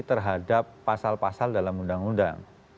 terhadap pasal pasal dalam undang undang